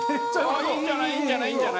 あっいいんじゃない？いいんじゃない？